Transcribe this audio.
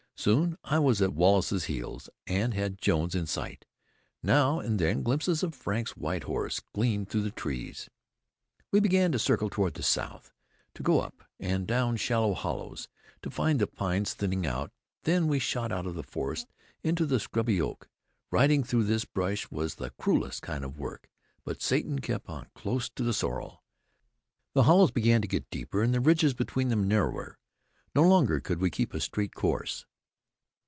Soon I was at Wallace's heels, and had Jones in sight. Now and then glimpses of Frank's white horse gleamed through the trees. We began to circle toward the south, to go up and down shallow hollows, to find the pines thinning out; then we shot out of the forest into the scrubby oak. Riding through this brush was the cruelest kind of work, but Satan kept on close to the sorrel. The hollows began to get deeper, and the ridges between them narrower. No longer could we keep a straight course.